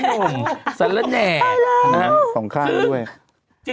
โอ้โฮนุ่มสละแหน่ไปแล้วต่องข้างด้วย